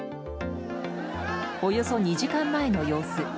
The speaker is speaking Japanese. およそ２時間前の様子。